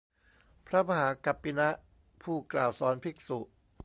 พระมหากัปปินะ ผู้กล่าวสอนภิกษุ